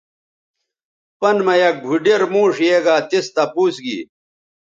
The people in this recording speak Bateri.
پَن مہ یک بُھوڈیر موݜ یے گا تِس تپوس گی